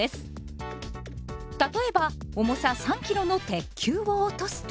例えば重さ３キロの鉄球を落とすと。